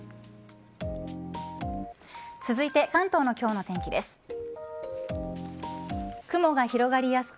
続いて関東の今日の天気です。